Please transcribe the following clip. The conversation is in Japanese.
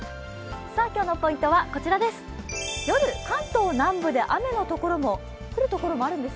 今日のポイントは夜、関東南部で雨のところも。